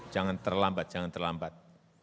jangan terlambat jangan terlambat